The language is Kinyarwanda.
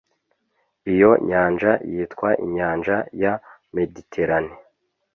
Iyo nyanja yitwa Inyanja ya Mediterane